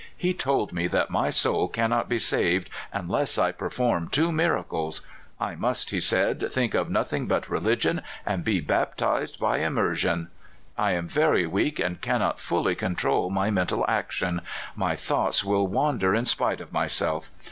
He told me that my soul cannot be saved unless I perform two miracles: I must, he said, think of nothing but religion, and be baptized by immer sion. I am very weak, and cannot fully control my mental action — my thoughts will wander in spite of myself.